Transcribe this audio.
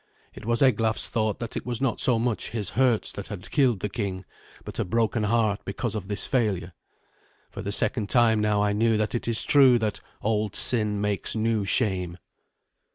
It was Eglaf's thought that it was not so much his hurts that had killed the king, but a broken heart because of this failure. For the second time now I knew that it is true that "old sin makes new shame."